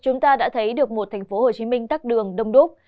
chúng ta đã thấy được một thành phố hồ chí minh tắt đường đông đúc